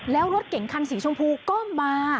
แล้วรถเก่งสีช้องบูก็มา